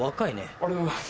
ありがとうございます。